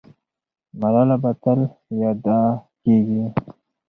ملاله به تل یاده کېږي.